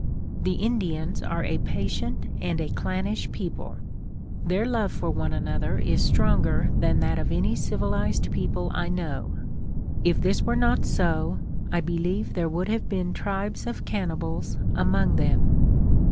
The Indians are a patient and a clannish people; their love for one another is stronger than that of any civilized people I know. If this were not so, I believe there would have been tribes of cannibals among them.